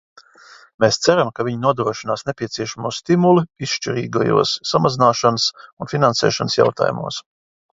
Mēs ceram, ka viņi nodrošinās nepieciešamo stimulu izšķirīgajos samazināšanas un finansēšanas jautājumos.